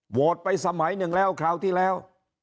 ไปสมัยหนึ่งแล้วคราวที่แล้ว